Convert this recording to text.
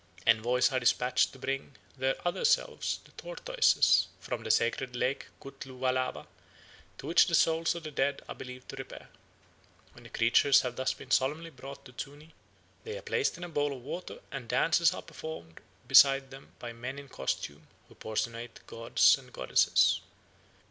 Envoys are despatched to bring "their otherselves, the tortoises," from the sacred lake Kothluwalawa, to which the souls of the dead are believed to repair. When the creatures have thus been solemnly brought to Zuni, they are placed in a bowl of water and dances are performed beside them by men in costume, who personate gods and goddesses.